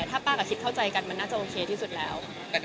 ถ้ารู้ใจกันมันน่าจะโอเคที่สุดแล้ว